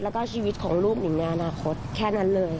แล้วก็ชีวิตของลูกหนิงในอนาคตแค่นั้นเลย